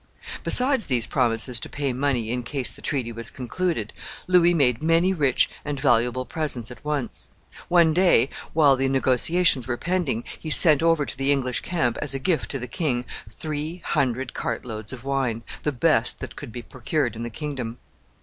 Besides these promises to pay money in case the treaty was concluded, Louis made many rich and valuable presents at once. One day, while the negotiations were pending, he sent over to the English camp, as a gift to the king, three hundred cart loads of wine, the best that could be procured in the kingdom.